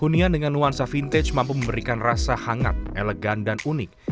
hunian dengan nuansa vintage mampu memberikan rasa hangat elegan dan unik